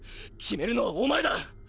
決めるのはお前だ！！